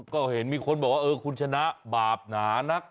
ก็เห็นมีคนบอกว่าเออคุณชนะบาปหนานัก